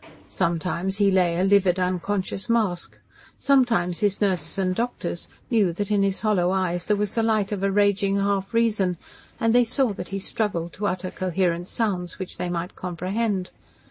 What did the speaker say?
Sometimes he lay a livid unconscious mask, sometimes his nurses and doctors knew that in his hollow eyes there was the light of a raging half reason, and they saw that he struggled to utter coherent sounds which they might comprehend.